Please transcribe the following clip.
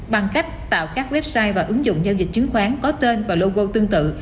bằng cách tạo các website và ứng dụng giao dịch chứng khoán có tên và logo tương tự